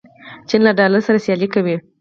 چین له ډالر سره سیالي کوي.